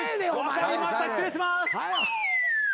分かりました失礼します。